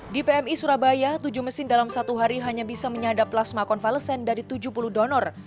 di pmi surabaya tujuh mesin dalam satu hari hanya bisa menyadap plasma konvalesen dari tujuh puluh donor